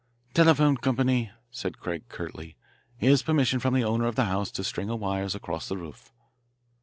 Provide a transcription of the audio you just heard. "Telephone company," said Craig curtly. "Here's permission from the owner of the house to string wires across the roof."